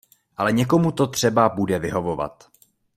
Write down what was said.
Ale někomu to třeba bude vyhovovat.